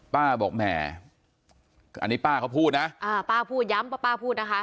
ป้าบอกแหมอันนี้ป้าเขาพูดนะอ่าป้าพูดย้ำป้าป้าพูดนะคะ